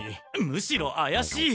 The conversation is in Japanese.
むしろあやしい！